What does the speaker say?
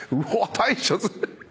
大将。